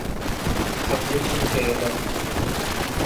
হাবলু থমকে গেল।